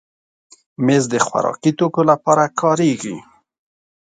مېز د خوراکي توکو لپاره کارېږي.